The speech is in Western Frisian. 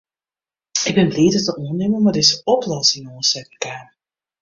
Ik bin bliid dat de oannimmer mei dizze oplossing oansetten kaam.